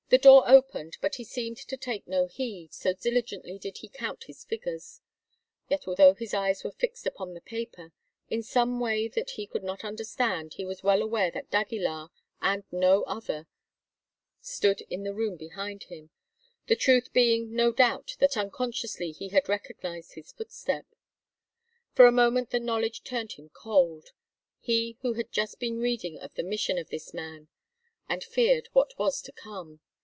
The door opened; but he seemed to take no heed, so diligently did he count his figures. Yet, although his eyes were fixed upon the paper, in some way that he could not understand he was well aware that d'Aguilar and no other stood in the room behind him, the truth being, no doubt, that unconsciously he had recognised his footstep. For a moment the knowledge turned him cold—he who had just been reading of the mission of this man—and feared what was to come.